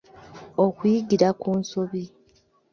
okuyigira ku nsobi